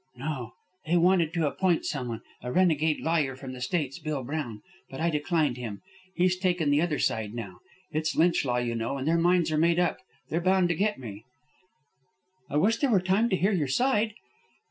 "No. They wanted to appoint some one, a renegade lawyer from the States, Bill Brown, but I declined him. He's taken the other side, now. It's lynch law, you know, and their minds are made up. They're bound to get me." "I wish there were time to hear your side."